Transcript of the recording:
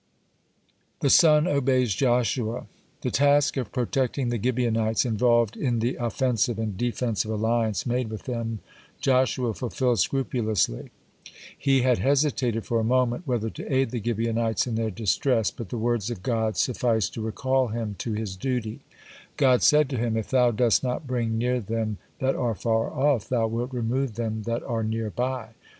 (36) THE SUN OBEYS JOSHUA The task of protecting the Gibeonites involved in the offensive and defensive alliance made with them, Joshua fulfilled scrupulously. He had hesitated for a moment whether to aid the Gibeonites in their distress, but the words of God sufficed to recall him to his duty. God said to him: "If thou dost not bring near them that are far off, thou wilt remove them that are near by."